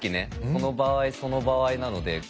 その場合その場合なので。